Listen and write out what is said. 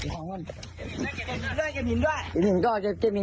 กินไหน